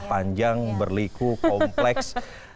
panjang berliku kompleks